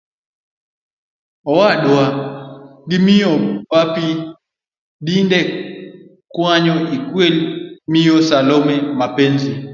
Owadwa.gi miyo Papi Dindi kwayo igweli miyo Salome Mapenzi